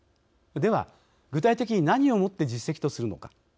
では、具体的に何をもって実績とするのか。